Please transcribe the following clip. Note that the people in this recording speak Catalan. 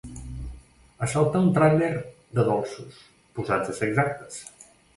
Assaltà un tràiler de dolços, posats a ser exactes.